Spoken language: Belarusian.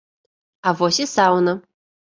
А вось і сауна.